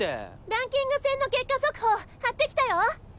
ランキング戦の結果速報貼ってきたよ。